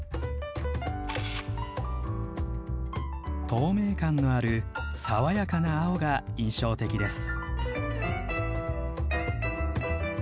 透明感のある爽やかな青が印象的です。